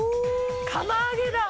釜揚げだ。